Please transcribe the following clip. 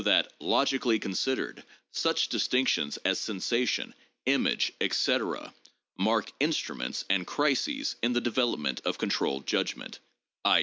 . that ... such dis tinctions as sensation, image, etc., mark instruments and crises in the development of controlled judgment, i.